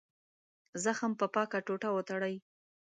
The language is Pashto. زخم په پاکه ټوټه وتړئ.